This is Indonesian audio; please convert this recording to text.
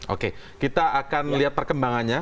oke kita akan lihat perkembangannya